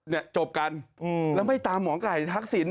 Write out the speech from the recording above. จบกันแล้วไม่ตามหมอไก่ทักษิณ